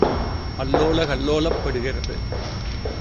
அல்லோல கல்லோலப் படுகிறது.